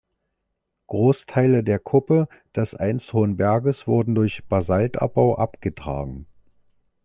Großteile der Kuppe des einst hohen Berges wurden durch Basaltabbau abgetragen.